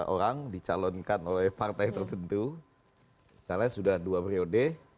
orang dicalonkan oleh partai tertentu misalnya sudah dua periode